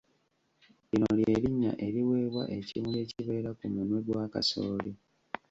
Lino ly’erinnya eriweebwa ekimuli ekibeera ku munwe gwa Kasooli